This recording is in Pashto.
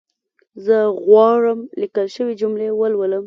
زه غواړم ليکل شوې جملي ولولم